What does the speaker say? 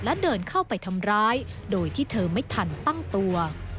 และเดินเข้าไปทำร้ายโดยที่เธอไม่ทันตั้งตัว